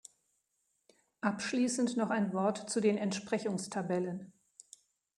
Abschließend noch ein Wort zu den Entsprechungstabellen.